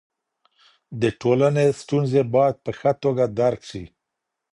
د ټولني ستونزې باید په ښه توګه درک سي.